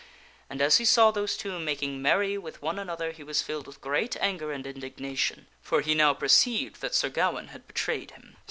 And as he saw those two making merry with one another, he was filled with great anger and indignation, for he now perceived that Sir Gawaine had betrayed him.